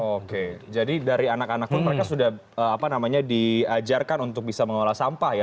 oke jadi dari anak anak pun mereka sudah diajarkan untuk bisa mengolah sampah ya